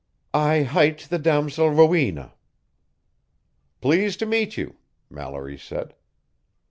"I hight the damosel Rowena." "Pleased to meet you," Mallory said.